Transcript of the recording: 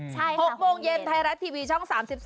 ๖โมงเย็นไทยรัฐทีวีช่อง๓๒